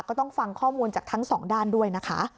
ก็ต้องฟังข้อมูลจากทั้งสองด้านด้วยนะคะ